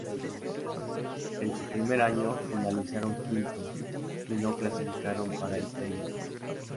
En su primer año finalizaron quintos y no clasificaron para el "playoff".